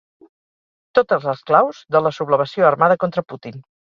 Totes les claus de la sublevació armada contra Putin